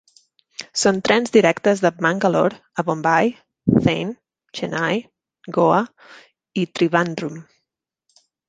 Són trens directes de Mangalore a Bombai, Thane, Chennai, Goa i Trivandrum.